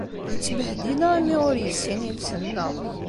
D ttbehdila imi ur yessin iles-nneɣ.